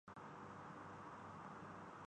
اس سارے اہتمام کی وجہ سے